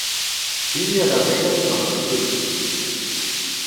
Pignat a reas war ar c’hleuz.